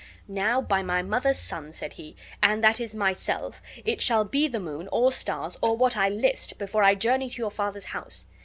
"Now, by my mother's son," said be, "and that is myself, it shall be the moon, or stars, or what I list, before I journey to your father's house."